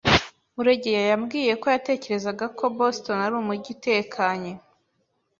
Buregeya yambwiye ko yatekerezaga ko Boston ari umujyi utekanye.